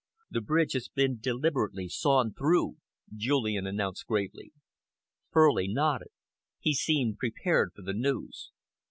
"The bridge has been deliberately sawn through," Julian announced gravely. Furley nodded. He seemed prepared for the news.